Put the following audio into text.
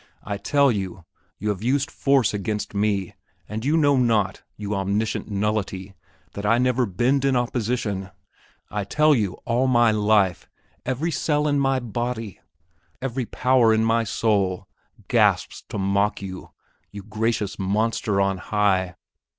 I tell you, you have used force against me, and you know not, you omniscient nullity, that I never bend in opposition! I tell you, all my life, every cell in my body, every power of my soul, gasps to mock you you Gracious Monster on High.